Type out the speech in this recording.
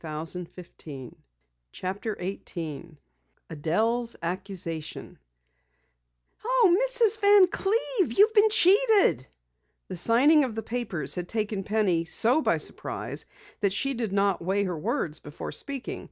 "The transaction has just been completed." CHAPTER 18 ADELLE'S ACCUSATION "Oh, Mrs. Van Cleve! You've been cheated!" The signing of the papers had taken Penny so by surprise that she did not weigh her words before speaking.